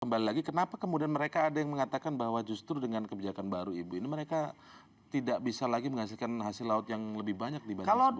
kembali lagi kenapa kemudian mereka ada yang mengatakan bahwa justru dengan kebijakan baru ibu ini mereka tidak bisa lagi menghasilkan hasil laut yang lebih banyak dibanding sebelumnya